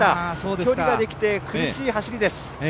距離ができて悔しい走りです。